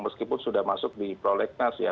meskipun sudah masuk di prolegnas ya